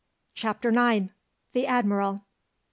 CHAPTER IX. THE ADMIRAL.